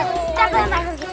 cak ini mah